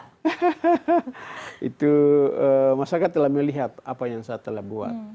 hahaha itu masyarakat telah melihat apa yang saya telah buat